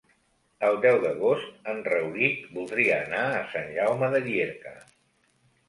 El deu d'agost en Rauric voldria anar a Sant Jaume de Llierca.